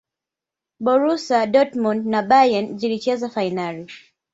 borusia dortmund na bayern zilicheza fainali